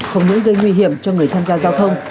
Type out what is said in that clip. không những gây nguy hiểm cho người tham gia giao thông